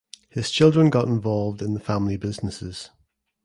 His children got involved in family businesses.